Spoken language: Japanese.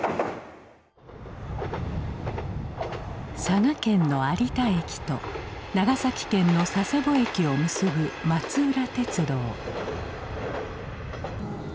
佐賀県の有田駅と長崎県の佐世保駅を結ぶ松浦鉄道。